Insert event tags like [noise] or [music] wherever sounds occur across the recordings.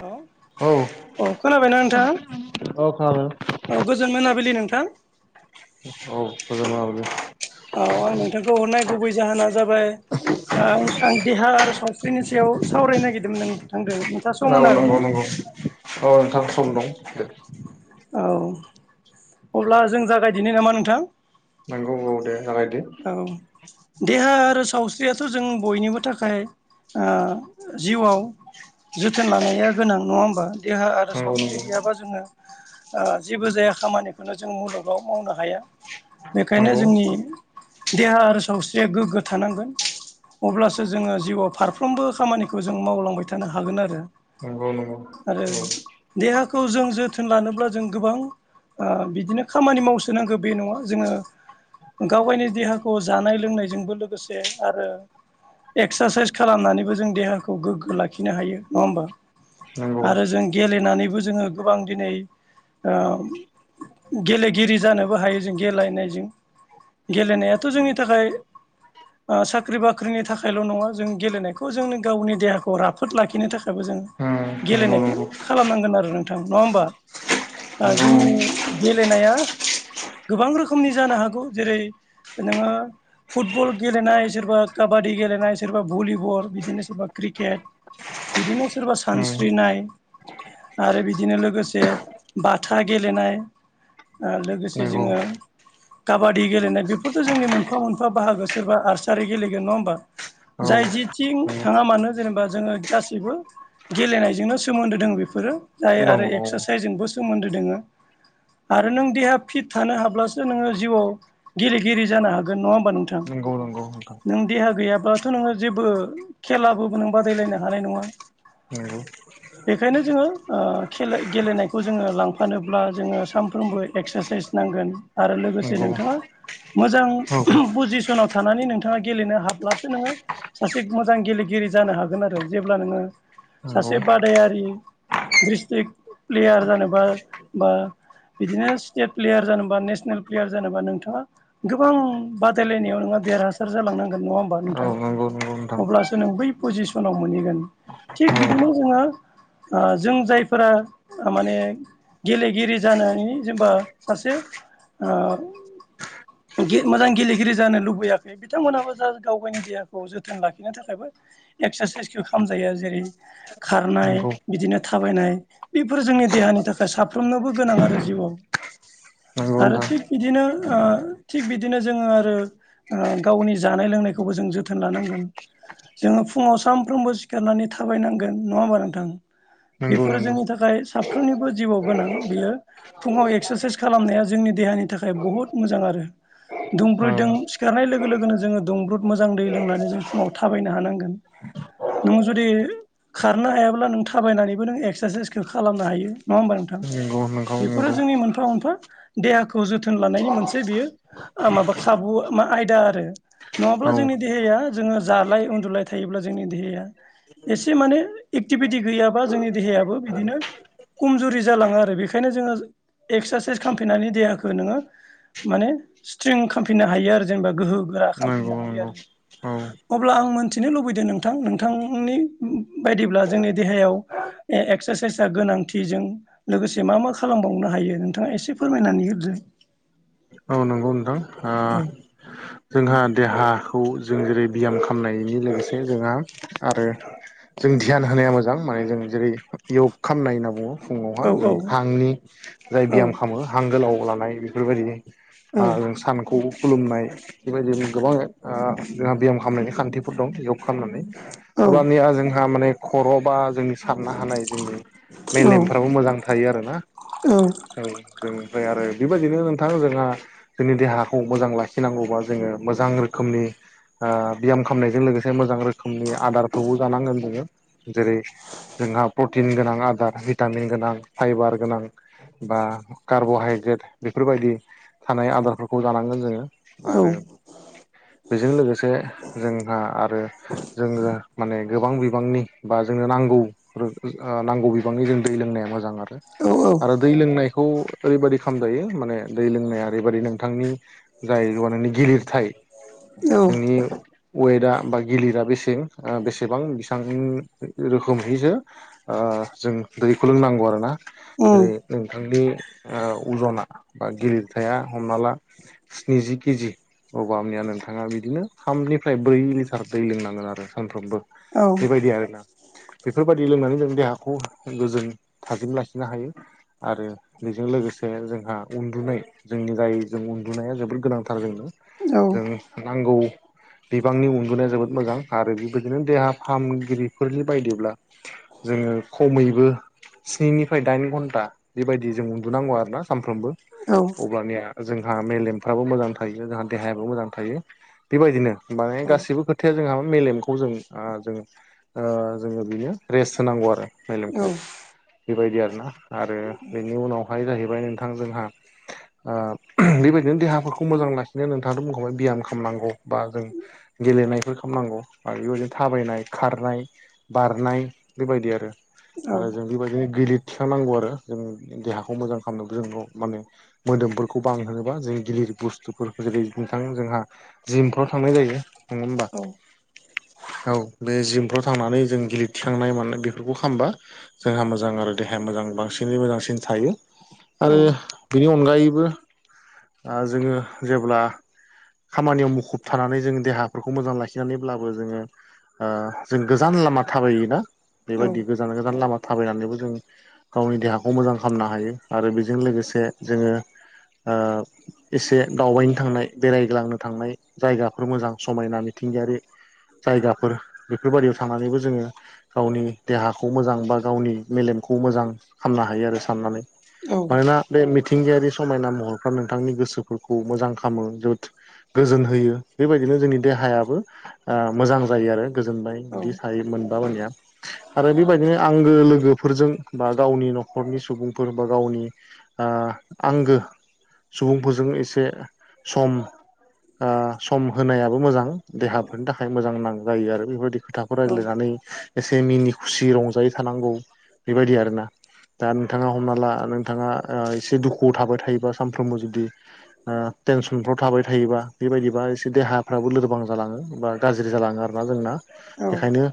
हेल औ खोनाबायना नोंथाङा? खोनादों। औ गोजोन मोनाबिलि नोंथां। औ [unintelligible] औ आं नोंथांखौ हरनाय गुबै जाहोना जाबाय आं देहा आरो सावस्रिनि सायाव सावरायनो नागिरदोंमोन नोंथांजों। औ नंगौ नंगौ नंगौ औ नोंथां सम दं। औ अब्ला जों जागायदिननि नामा नोंथां? नंगौ औ दे जागायदो। औ देहा आरो सावस्रियाथ' जों बयनिबो थाखाय ओ जिउआव जोथोन लानाया गोनां। नङा होमबा? देहा आरो नंगौ सावस्रि गैयाबा जोङो। ओ जेबो जाया खामानिखौनो जों मुलुगाव मावनो हाया बेखायनो नंगौ जोंनि देहा आरो सावस्रिया गोग्गो थानांगोन। अब्लासो जोङो जिउआव फारफ्रोमबो खामानिखौ जों मावलांबाय थानो हागोन आरो। औ नंगौ आरो औ। देहाखौ जों जोथोन लानोब्ला जों गोबां ओ बिदिनो खामानि मावसोनांगौ बे नङा जोङो गावागावनि देहाखौ जानाय लोंनायजोंबो लोगोसे आरो एक्सारसाइस खालामनानैबो जों देहाखौ गोग्गो लाखिनो हायो। नङा होमबा? नंगौ आरो जों गेलेनानैबो जोङो गोबां दिनै ओ गेलेगिरि जानोबो हायो जों गेलेनायजों। गेलेनायाथ' जोंनि थाखाय ओ साख्रि बाख्रिनि थाखायल' नङा जों गेलेनायखौ जोंनो गावनि देहाखौ राफोद लाखिनो थाखायबो जों औ नंगौ उम नंगौ गेलेनायखौ नंगौ खालामनांगोन आरो नोंथां। नङा होमबा? जोंनि गेलेनाया गोबां रोखोमनि जानो हागौ जेरै नोङो। फुटबल गेलेनाय, सोरबा काबादि गेलेनाय, सोरबा भलिबल, बिदिनो सोरबा क्रिकेट, बिदिनो सोरबा सानस्रिनाय, आरो बिदिनो लोगोसे बाथा गेलेनाय लोगोसे नंगौ जोङो काबादि गेलेनाय बेफोरथ' जोंनि मोनफा मोनफा बाहागो सोरबा आर्सारि गेलेगोन। नङा होमबा? उम नंगौ औ जाय जेथिं थाङा मानो जेनेबा जोङो गासिबो गेलेनायजोंनो सोमोन्दो दं बेफोरो जाय दङ आरो औ एक्सारसाइसजोंबो सोमोन्दो दोङो आरो नों देहा फिट थानो हाब्लासो नोङो जिउआव गेलेगिरि जानो हागोन नङा होमबा नोंथां? नंगौ नंगौ नोंथां नों देहा गैयाब्लाथ' नोङो जेबो खेलाबोबो नों बादायलायनो हानाय नङा। [unintelligible] बेखायनो जोङो गेलेनायखौ जोङो लांफानोब्ला जोङो सानफ्रोमबो एक्सारसाइस नांगोन आरो नंगौ लोगोसे नंगौ नोंथाङा मोजां औ पजिसनाव थानानै नोंथाङा गेलेनो हाब्लासो नोङो सासे मोजां गेलेगिरि जानो हागोन आरो जेब्ला नोङो नंगौ सासे बादायारि दिस्ट्रिक् प्लेयार जेनेबा बा बिदिनो स्टेट प्लेयार जानोबा नेसनेल प्लेयार जानोबा नोंथाङा गोबां बादायलायनायाव नोंङहा देरहासार जालांनांगोन नङा होमबा औ नोंथां? नंगौ नंगौ नोंथां अब्लासो नों बै पजिसनाव मोनहैगोन थिग औ बिदिनो जोङो जों जायफोरा माने गेलेगिरि जनि जेनबा सासे ओ मोजां गेलेगिरि जानो लुबैयाखै बिथांमोनहाबो जा गाव गावनि देहाखौ जोथोन लाखिनो थाखायबो एक्सारसाइसखौ खालामजायो जेरै खारनाय नंगौ बिदिनो थाबायनाय। बेफोर जोंनि देहानि थाखाय साफ्रोमनोबो गोनां आरो जिउआव। नंगौ आरो नोंथां थिग बिदिनो ओ थिग बिदिनो जोङो आरो गावनि जानाय लोंनायखौबो जों जोथोन लानांगोन। जोङो फुङाव सानफ्रोमबो सिखारनानै थाबायनांगोन नङा होमबा नोंथां? नंगौ बेफोरो नंगौ जोंनि थाखाय साफ्रोमनिबो जिउआव गोनां बियो। फुङाव एक्सारसाइस खालामनाया जोंनि देहानि थाखाय बहुत मोजां आरो। औ दुंब्रुदजों सिखारनाय लोगो लोगोनो जोङो दुंब्रुद मोजां दै लोंनानै जों फुङाव थाबायनो हानांगोन। नोंङ जुदि खारनो हायाब्ला नों थाबायनानैबो नों एक्सारसाइसखौ खालामनो हायो। नङा होमबा नोंथां? नंगौ नंगौ बेफोरो जोंनि नंगौ मोनफा मोनफा देहाखौ जोथोन लानायनि मोनसे बियो माबा खाबु मा आयदा आरो। नङाब्ला औ जोंनि देहाया जोङो जालाय उन्दुलाय थायोब्ला जोंनि देहाया एसे माने एकटिभिटि गैयाबा जोंनि देहायाबो बिदिनो खमजुरि जालाङो आरो बेखायनो जोङो एक्सारसाइस खालामफैनानै देहाखौ नोङो माने स्ट्रिं खालामफिननो हायो आरो जेनेबा गोहो गोरा नंगौ खालामफिननो हायो नंगौ आरो। औ अब्ला आं मोनथिनो लुबैदों नोंथां नोंथांनि बायदिब्ला जोंनि देहायाव एक्सारसाइसआ गोनांथि जों लोगोसे मा मा खालामबावनो हायो नोंथाङा एसे फोरमायनानै होदो। औ नंगौ नोंथां। ओ [unintelligible] जोंहा देहाखौ जों जेरै ब्याम खालामनायनि लोगोसे जोंहा आरो जों ध्यान होनाया मोजां माने जों जेरै य'ग खालामनाय होनना बुङो। फुङावहा औ जों औ हांनि जाय औ बियाम खालामो हां गोलाव लानाय औ बेफोरबायदि सानखौ खुलुमनाय बेबायदि गोबां जोंहा बे्याम खालामनायनि खान्थिफोर दं बेयाव खालामनानै औ अब्लानिया जोंहा माने खर' बा जों साननो हानाय जोंनि औ मेलेमफ्राबो मोजां थायो आरो ना। औ औ जों ओमफ्राय आरो बेबायदिनो नोंथां जोंहा जोंनि देहाखौ मोजां लाखिनांगौबा जोो मोजां रोखोमनि बि्याम खालामनायजों मोजां रोखोम ोखनि आदारबो जानांगोन जङ जेरै जोंहा प्रटिन गोनां आदार भिटामिन गोनां फाइबार गोनां बा कार्ब'हाइद्रेट बेफोरबायदि थानाय आदारफोरखौ जानांगोन जोङो, आरो औ बेजों लोगोसे जोंहा आरो जोनो माने गोबां बिबांनि बा जोंनो नांगौ रो ओ नांगौ बिबांनि जों दै लोंनाया मोजां आरो आरो दै लोंनायखौ ओरैबायदि खालामजायो माने दै लोंनाया ओरैबायदि नोंथांनि जाय जा नोंनि गिलिरथाय औ नोंनि वेटआ बा गिलिरा बेसेन ओ बेसेबां बेसेबां रोखोमहैसो ओ जों दैखौ लोंनांगौ आरोना उम जेरै नोंथांनि ओ अजना बा गिलिरथाया हमना ला स्निजि केजि अबामनिया नोंथाङा बिदिनो थामनिफ्राय ब्रै लिटार दै लोंनांगोन आरो सानफ्रोमबो औ बेबायदि आरोना बेफोरबायदि लोंनानै जों देहाखौ गोजोन थाजिम लाखिनो हायो आरो बेजों लोगोसे जोंहा उन्दुनाय जोंनि जाय जों उन्दुनाया जोबोद गोनांथार जोंनो औ जों नांगौ बिबांनि उन्दुनाया जोबोद मोजां आरो बेबायदिनो देहा फाहामगिरिफोरनि बायदिब्ला जोङो खमैबो स्निनिफ्राय दाइन घन्टा बेबायदि जों उन्दुनांगौ आरोना सानफ्रोमबो औ अब्लानिया जोंहा मेलेमफ्राबो मोजां थायो जोंहा देहायाबो मोजां थायो बेबायदिनो माने गासिबो खोथ थाया जोंहा मा मेलेमखौ जों ओ जों ओ जोङो बिनो रेस्ट होनांगौ आरो औ मेलेमखौ बेबायदि आरोना आरो बेनि उनाव बाय जाहैबाय नोंथां जोंहा ओ बेबायदिनो देहाफोरखौ मोजां लाख बिदिनो नोंथाङाथ' बुंखाबाय बियाम खालामनांगौ बा जों गेलेनायफोर खालामनांगौ आरो बेबायदिनो थाबायनाय खारनाय बारनाय बेबायदिआरो आरो जों बेबायदिनो गिलिद थिखांनांगौ आरो जों देहाखौ मोजां खालामनो जों माने मोदोमफोरखौ बांहोनोबा जों गिलिर बुस्थु फोरखौ जेरै नोंथां जोंहा जिमफ्राव थांनाय जायो नङा होमबा औ बे जिमफ्राव थांनानै जों गिलि थिखांनाय मानाय बेफोरखौ खालामबा जोंहा मोजां आरो देहाया मोजां बांसिनै मोजांसिन थायो आरो बिनि अनगायैबो आ जोङो जेब्ला खामानियाव मुखुब थानानै जों देहाफोरखौ मोजां लाखिनानैब्लाबो जोङो ओ जों गोजान लामा थाबायोना बेबायदि गोजान गोजान लामा थाबायनानैबो जों गावनि देहाखौ मोजां खालामामनो हायो आरो बेजों लोगोसे जोङो ओ एसे दावबायनो थांनाय बेरायग्लांनो थांनाय जायगाफोर मोजां समायना मिथिंगायारि जायगाफोर बेफोरबायदियाव थांनानैबो जोङो गावनि देहाखौ मोजां बा गावनि मेलेमखौ मोजां खालामामनो हायो आरो साननानै मानोना बे मिथिंगायारि समायना महरफ्रा नोंथांनि गोसोफोरखौ मोजां खालामो जोबोद गोजोन होयो बेबायदिनो जोंनि देहायाबो ओ मोजां जायो आरो गोजोनबाय बिदि थायोमोनबा मानिया आरो बेबायदिनो आंगो लोगोफोरजों बा गावनि न'खरनि सुबुंफोर बा गावनि आंगो सुबुंफोरजों एसे सम ओ सम होनायाबो मोजां देहाफोरनि थाखाय मोजां नां जायो आरो बेफोरबायदि खोथाखौ रायज्लायनानै एसे मिनि खुसि रंजायै थानांगौ बेबायदि आरोना दा नोंथाङा हमना ला नोंथाङा एसे दुखुआव थाबाय थायोबा सानफ्रोमबो जुदि ओ टेनसनफ्राव थाबाय थायोबा बेबायदिबा एसे देहाफ्राबो लोरबां जालाङो बा गाज्रि जालाङो आरोना जोंना बेखायनो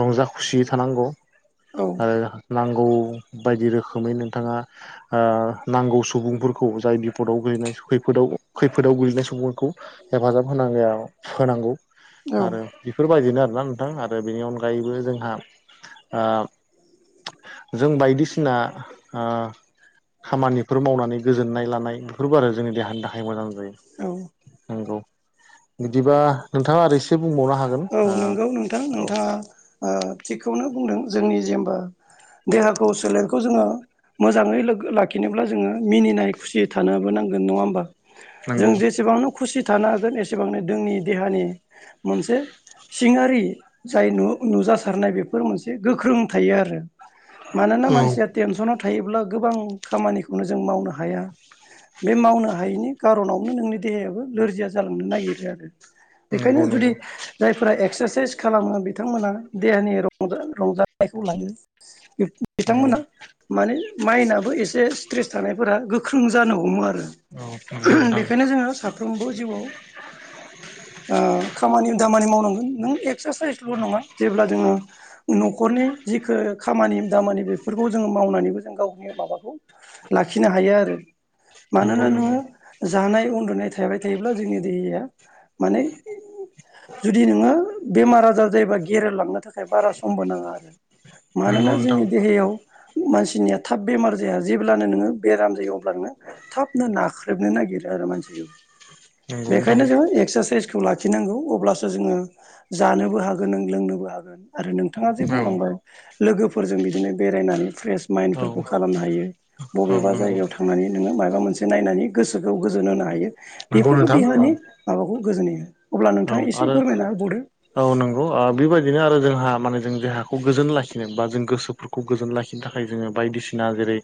रंजा खुसि थानांगौ आरो नां नांगौ बायदि रोखोमै नोंथाङा नांगौ सुबुंफोरखौ जाय बिपदआव गोलैनाय खैफोदाव खैफोदाव गोग्लैनाय सुबुंफोरखौ हेफाजाब होनां होनांगौ औ औ आरो बेफोरबायदिनो आरोना नोंथां आरो बेनि अनगायैबो जोंहा ओ जों बायदिसिना आ खामानिफोर मावनानै गोजोननाय लानाय बेफोरबो आरो जोंनि देहानि थाखाय मोजां जायो औ नोंगौ बिदिबा नोंथाङा ओरै सि औ नोंगौ नोंथां नोंथाङा आ थिगखौनो बुंदों जोंनि जेमबा देहाखौ सोलेरखौ जोङो मोजाङै लोगो लाखिनोब्ला जोङो मिनिनाय खुसिय थानोबो नांगोन नङा होमबा नंगौ जों जेसेबांनो खुसि थानो हागोन एसेबांनो दोंनि देहानि मोनसे सिङारि जाय नु नुजासारनाय बेफोर मोनसे गोख्रों थायो आरो मानोना औ मानसिया टेनसनाव थायोब्ला गोबां खामानिखौनो जों मावनो हाया बे मावनो हायैनि खार'नावनो नोंनि देहायाबो नोरजिया जालांनो नागिरो आरो बेखायनो नंगौ जुदि नंगौ जायफोरा एक्सारसाइस खालामो बिथांमोना देहानि रंजा रंजानायखौ लायो नंगौ औ बिथांमोना माने माइनआबो एसे स्ट्रेस थानायफोरा गोख्रों जानो हमो आरो नंगौ [unintelligible] नोंथां बेखायनो जोङो सा फ्रोमबो जिउआव आ खामानि दामानि मावनांगोन नों ए एक्सारसाइसल' नङा जेब्ला जोङो न'खरनि जिखो खामानि दामानि बेफोरखौ जोङो मावनानैबो जों गावनि माबाखौ लाखिनो हायो आरो नंगौ मानोना नंगौ नोङो जानाय उन्दुनाय थाबाय थायोब्ला जोंनि देहाया माने जुदि नोङो बेमार आजार जायोबा गेरेलांनो थाखाय बारा समबो नाङा आरो मानोना नंगौ नोंथां जोंनि देहायाव मानसिनिया थाब बेमार जाया जेब्लानो नोङो बेराम जायो अबब्ला नोङो थाबनो नाख्रेबनो नागिरो आरो मानसिखौ नंगौ नोंथां बेखायनो जोङो एक्सारसाइसखौ लाखिनांगौ अब्लासो जोङो जानोबो हागोन नों लोंनोबो हागोन आरो नोंथाङा जे औ बुंलांबाय लोगोफोरजों बिदिनो बेरायनानै फ्रेस औ माइनफोरखौ खालामनो हायो औ बबेबा नंगौ जायगायाव थां नानै नोङो माबा मोनसे नायनानै गोसोखौ गोजोन होनो हायो नंगौ बेफोरखौ नोंथां औ देहानि माबाखौ गोजोनहोयो अब्ला नोंथाङा इसे ओ औ नों अ आ बेबायदिनो आरो जोंहा माने जों जेहाखौ गोजोन लाखिनो बा जों गोसोफोरखौ गोजोन लाखि बिनि थाखाय जोङो बायदिसिना जेरै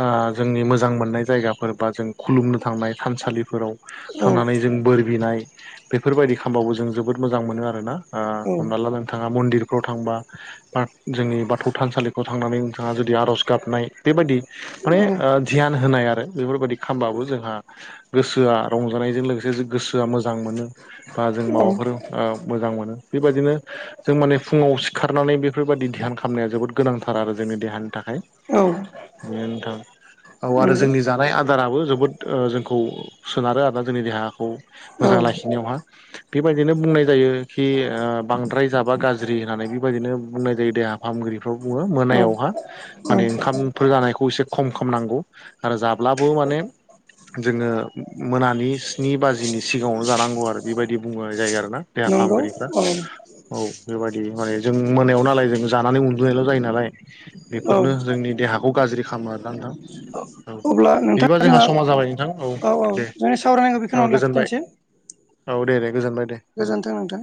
आ जोंनि मोजां मोननाय जायगाफोर बा जों खुलुमनो थांनाय थानसालिफोराव औ थांनानै जों बोर बिनाय बेफोरबायदि खामबावो जों जोबोद मोजां मोनो आरोना आ हमना ला नोंथाङा मन्दिरफ्राव थांबा आ जोंनि बाथौ थानसालिखौ थांनानै नोंथाङा जुदि आर'ज गाबनाय बेबादि माने औ ओ ध्यान होनाय आरो बेफोरबादि खामबाबो जोंहा गोसोआ रंजानायजों लोगोसे गोसोआ मोजां मोनो बा जों माबाफोर औ आ मोजां मोनो बेबायदिनो जों माने फुङाव सि खारनानै बेफोरबायदि दिहान खामनाया जोबोद गोनांथार आरो जोंनि देहानि थाखाय औ बे नोंथां औ आरो नंगौ जोंनि जानाय आदाराबो जोबोद ओ जोंखौ सोनारो आरोना जोंनि देहाखौ औ मोजां लाखिनायावहा बेबायदिनो बुंनाय जायो खि ओ बांद्राय जाबा गाज्रि होननानै बिबायदिनो बुंनाय जायो देहा फाहामगिरिफ्राव बुङो मोनायावहा औ माने ओंखामफोर जानायखौ एसे खम खम नांगौ आरो जाब्लाबो माने जोङो मोनानि स्नि बाजिनि सिगाङावनो जानांगौ आरो बिबायदि बुंनाय जायो आरो ना देहा नंगौ फाहामगिरिफ्रा औ औ बेबायदि माने जों मोनायाव नालाय जों जानानै उन्दुनायल' जायो नालाय औ बेफोरनो जोंनि देहाखौ गाज्रि खामो आरोना नोंथां औ अब्ला बिदिबा नोंथाङा जोंहा समा जाबाय नोंथां औ दे जोंनि सावरायनायखौ औ बेखिनियावनो गोजोनबाय लाखिथनोसै औ दे दे गोजोनबाय दे गोजोनथों नोंथां